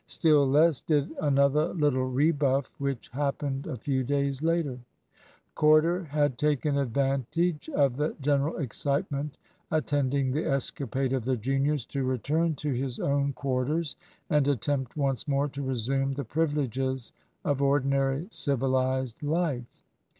Still less did another little rebuff, which happened a few days later. Corder had taken advantage of the general excitement attending the escapade of the juniors to return to his own quarters and attempt once more to resume the privileges of ordinary civilised life.